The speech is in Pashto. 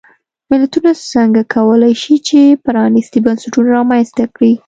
ملتونه څنګه کولای شي چې پرانیستي بنسټونه رامنځته کړي.